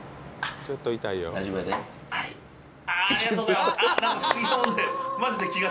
ありがとうございます。